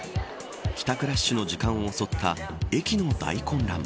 帰宅ラッシュの時間を襲った駅の大混乱